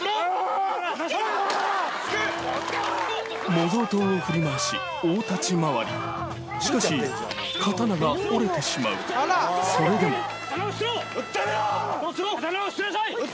模造刀を振り回し大立ち回りしかし刀が折れてしまうそれでも・刀を捨てなさい！